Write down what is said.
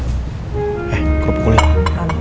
eh eh kok pukul dia